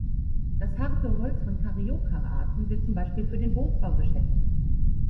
Das harte Holz von "Caryocar"-Arten wird zum Beispiel für den Bootsbau geschätzt.